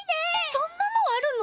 そんなのあるの？